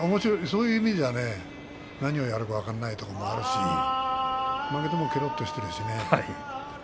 そういうイメージでは何をやるか分からないところがあるし、負けても、けろっとしているしね。